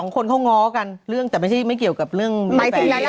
คนเขาง้อกันเรื่องแต่ไม่ใช่ไม่เกี่ยวกับเรื่อง